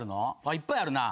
いっぱいあるな。